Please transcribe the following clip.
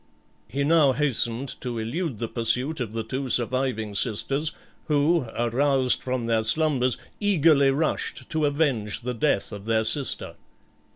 He now hastened to elude the pursuit of the two surviving sisters, who, aroused from their slumbers, eagerly rushed to avenge the death of their sister.